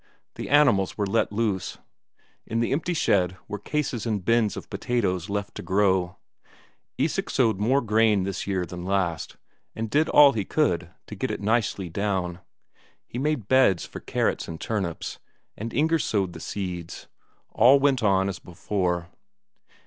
The animals were let loose; in the empty shed were cases and bins of potatoes left to grow. Isak sowed more corn this year than last, and did all he could to get it nicely down. He made beds for carrots and turnips, and Inger sowed the seeds. All went on as before.